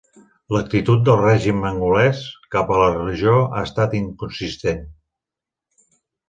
L'actitud del règim angolès cap a la religió ha estat inconsistent.